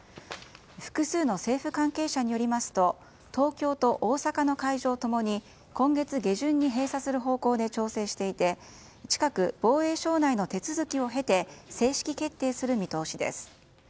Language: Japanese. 複数の政府関係者によりますと東京と大阪の会場共に今月下旬に閉鎖する方向で調整していて近く防衛省内の手続きを経て正式決定する見通しです。